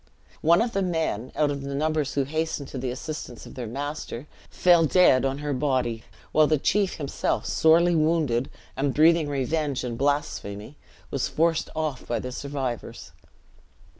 One of the men, out of the numbers who hastened to the assistance of their master, fell dead on her body; while the chief himself, sorely wounded, and breathing revenge and blasphemy, was forced off by the survivors.